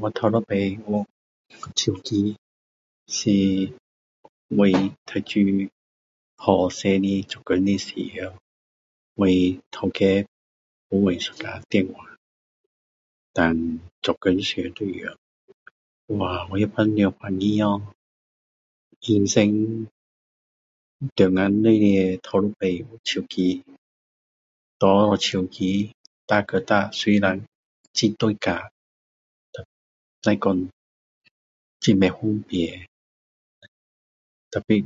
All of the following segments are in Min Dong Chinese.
我第一次有手机就是出来做工的时候我老板给我一架电话然后做工的时候就用我那个时候多么高兴呀这一生里面头一次有手机拿手机大哥大虽然很大架虽然很不方便tapi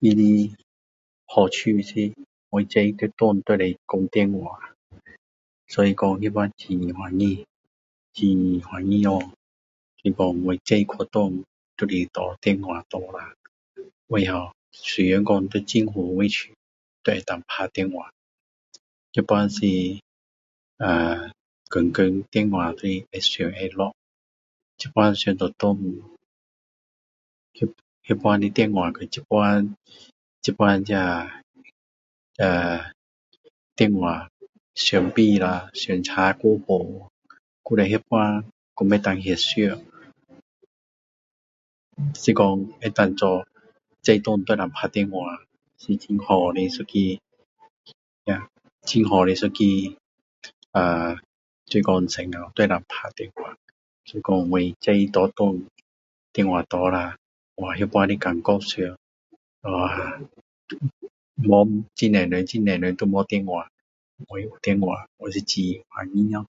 它的好处是不管我在哪里都可以讲电话所以说那时候很高兴很高兴呀，那时候不关我去哪里我都是拿电话拿一下虽然在很远的地方都能打电话那个时候天天电话都按上按下现在想回去那个时候的电话和现在这呃电话相比下相差太远了以前那个时候不能拍照是说能够做在哪里都可以打电话是很好的很好的一个哪里都可以打电话，所以说我去哪里电话拿一下哇那个时候的感觉上很多人很多人都没有电话我有电话我很高兴咯